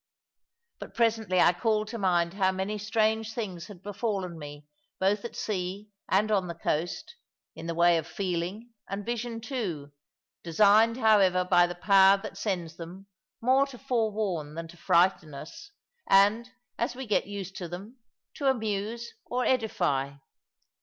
But presently I called to mind how many strange things had befallen me, both at sea and on the coast, in the way of feeling and vision too, designed, however, by the Power that sends them, more to forewarn than frighten us, and, as we get used to them, to amuse or edify.